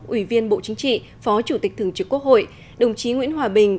ủy viên bộ chính trị phó chủ tịch thường trực quốc hội đồng chí nguyễn hòa bình